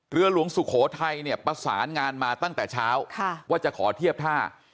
เรือหลวงสุโขทัยเนี่ยประสานงานมาตั้งแต่เช้าว่าจะขอเทียบท่า